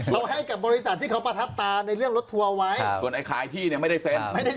เราให้กับบริษัทที่เขาปฏาตามในเรื่องลดทัวร์เอาไว้ส่วนไอ้ขายพี่ไม่ได้เซ็นต์